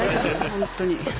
本当に。